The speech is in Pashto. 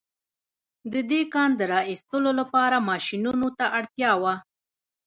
د دې کان د را ايستلو لپاره ماشينونو ته اړتيا وه.